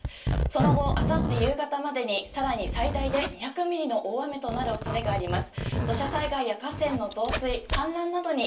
その後、あさって夕方までに更に最大で２００ミリの大雨となる恐れがあります。